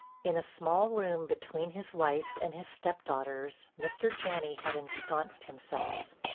In a small room between his wife's and his stepdaughter's Mr. Janney had ensconced himself.